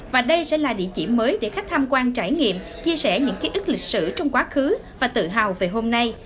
và đây sẽ là địa chỉ mới để khách tham quan trải nghiệm chia sẻ những ký ức lịch sử trong quá khứ và tự hào về hôm nay